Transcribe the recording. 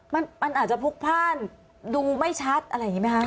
มันอาจจะพลุกพ่านดูไม่ชัดอะไรอย่างนี้ไหมคะ